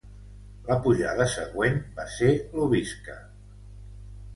La pujada següent va ser l'Aubisca.